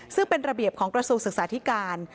ซึ่งเป็นระเบียบของกระทรวงศึกษาธิการ